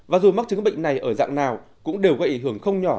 và dù mắc chứng bệnh này ở dạng nào cũng đều gây ảnh hưởng không nhỏ